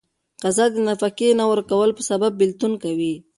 قضا د نفقې نه ورکولو په سبب بيلتون کوي.